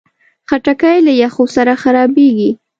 خټکی له یخو سره خرابېږي.